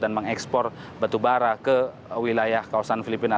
dan mengekspor batubara ke wilayah kawasan filipina